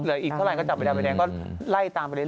อีกเท่าไหร่ก็จับใบดำใบแดงก็ไล่ตามไปเรื่อ